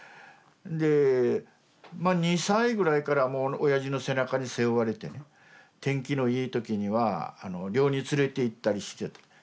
で２歳ぐらいからもうおやじの背中に背負われてね天気のいい時には漁に連れていったりしてたね